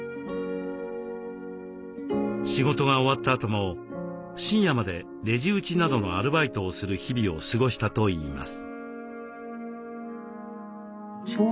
仕事が終わったあとも深夜までレジ打ちなどのアルバイトをする日々を過ごしたといいます。